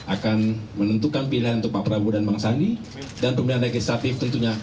akan menentukan pilihan untuk pak prabowo dan bang sandi dan pemilihan legislatif tentunya